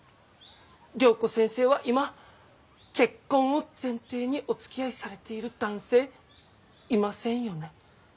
良子先生は今結婚を前提におつきあいされている男性いませんよね？